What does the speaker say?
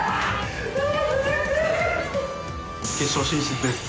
・決勝進出です！